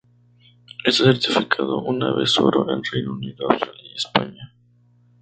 Está certificado una vez oro en Reino Unido, Australia y España.